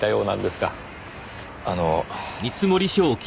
あの。